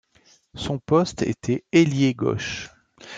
Son poste était ailier gauche.